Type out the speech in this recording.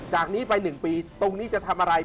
จากนี้ไป๑ปีตรงนี้จะทำอะไร